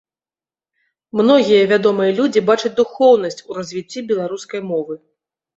Многія вядомыя людзі бачаць духоўнасць у развіцці беларускай мовы.